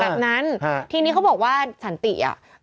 แบบนั้นทีนี้เขาบอกว่าสันติอ่ะ